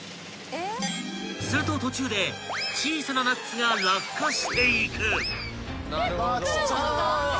［すると途中で小さなナッツが落下していく］